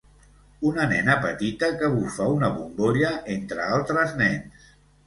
Una nena petita que bufa una bombolla entre altres nens.